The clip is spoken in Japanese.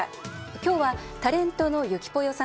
今日はタレントのゆきぽよさ